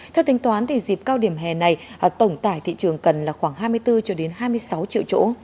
theo tính toán dịp cao điểm hè này tổng tải thị trường cần khoảng hai mươi bốn hai mươi sáu triệu chỗ